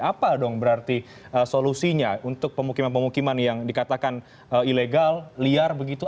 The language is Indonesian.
apa dong berarti solusinya untuk pemukiman pemukiman yang dikatakan ilegal liar begitu